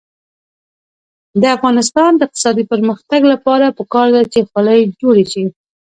د افغانستان د اقتصادي پرمختګ لپاره پکار ده چې خولۍ جوړې شي.